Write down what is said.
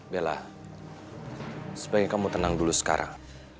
bella supaya kamu tenang dulu sekarang